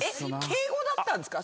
敬語だったんですか？